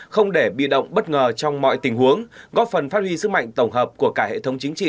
không để bị động bất ngờ trong mọi tình huống góp phần phát huy sức mạnh tổng hợp của cả hệ thống chính trị